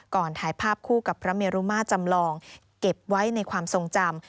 ถ่ายภาพคู่กับพระเมรุมาจำลองเก็บไว้ในความทรงจำ